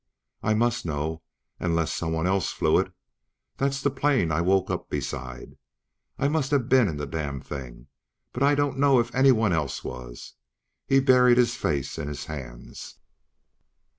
"I must know, unless someone else flew it. That's the plane I woke up beside. I must have been in the damned thing. But I don't know if anyone else was." He buried his face in his hands.